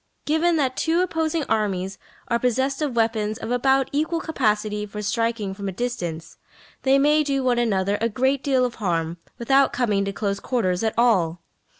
Given that two opposing armies are possessed of weapons of about equal capacity for striking from a distance, they may do one another a great deal of harm without coming to close quarters at all.